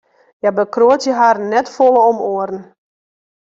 Hja bekroadzje harren net folle om oaren.